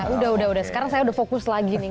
udah udah sekarang saya udah fokus lagi nih